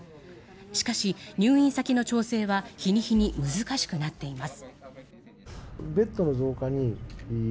しかし、入院先の調整は日に日に難しくなっています。